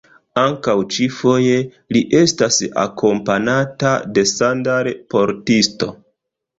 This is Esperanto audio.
Ankaŭ ĉifoje, li estas akompanata de sandal-portisto.